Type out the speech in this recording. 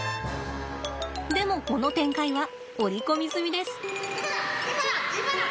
でもこの展開は織り込み済みです。